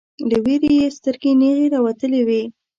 له ویرې یې سترګې نیغې راوتلې وې